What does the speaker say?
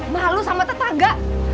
malu sama tetangga